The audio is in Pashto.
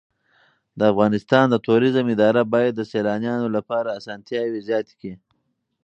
د افغانستان د توریزم اداره باید د سېلانیانو لپاره اسانتیاوې زیاتې کړي.